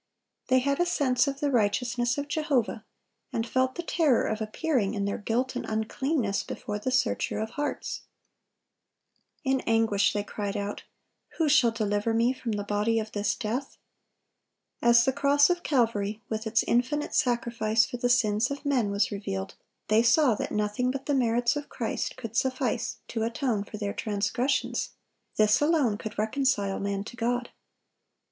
They had a sense of the righteousness of Jehovah, and felt the terror of appearing, in their guilt and uncleanness, before the Searcher of hearts. In anguish they cried out, "Who shall deliver me from the body of this death?" As the cross of Calvary, with its infinite sacrifice for the sins of men, was revealed, they saw that nothing but the merits of Christ could suffice to atone for their transgressions; this alone could reconcile man to God.